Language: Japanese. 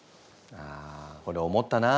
ああこれ思ったな。